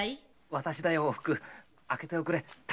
私だよおふく開けておくれ。